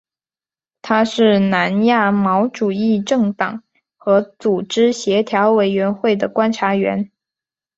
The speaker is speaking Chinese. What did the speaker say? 它是南亚毛主义政党和组织协调委员会的观察员。